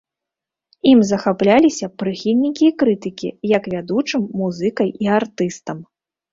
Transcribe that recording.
Ім захапляліся прыхільнікі і крытыкі, як вядучым музыкай і артыстам.